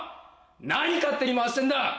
何勝手に回してんだ！